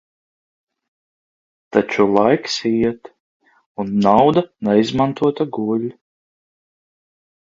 Taču laiks iet, un nauda neizmantota guļ.